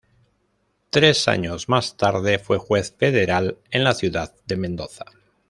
Tres años más tarde fue juez federal en la ciudad de Mendoza.